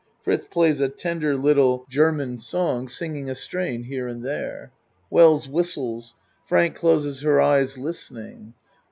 (Fritz plays a tender little ger 22 A MAN'S WORLD man song, singing a strain here and there. Wells whistles. Frank closes her eyes listening.)